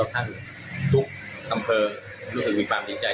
ทุกข้ำเผลอรู้สึกวิบันดีใจ